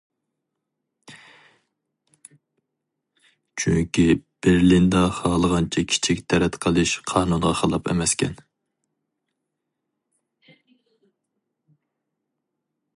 چۈنكى بېرلىندا خالىغانچە كىچىك تەرەت قىلىش قانۇنغا خىلاپ ئەمەسكەن.